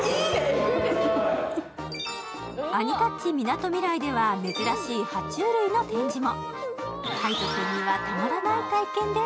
アニタッチみなとみらいでは、珍しい、は虫類の展示も。